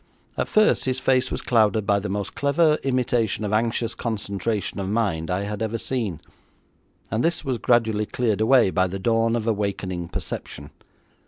At first his face was clouded by the most clever imitation of anxious concentration of mind I had ever seen, and this was gradually cleared away by the dawn of awakening perception.